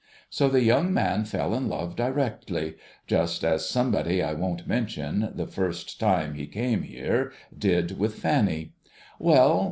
So, the young man fell in love directly — just as Somebody I won't mention, the first time he came here, did with Fanny. Well